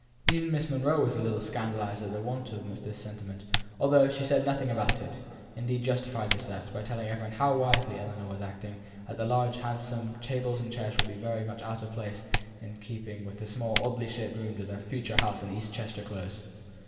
Even Miss Monro was a little scandalized at this want of sentiment, although she said nothing about it; indeed justified the step, by telling every one how wisely Ellinor was acting, as the large, handsome, tables and chairs would be very much out of place and keeping with the small, oddly shaped rooms of their future home in East Chester Close.